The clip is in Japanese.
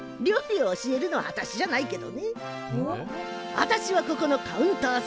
あたしはここのカウンター専門。